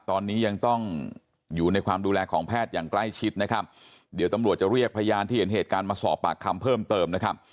ตอนนี้ยังต้องอยู่ในความดูแลของแพทย์อย่างใกล้ชิดนะครับเดี๋ยวตำรวจจะเรียกพยานที่เห็นเหตุการณ์มาสอบปากคำเพิ่มเติมนะครับ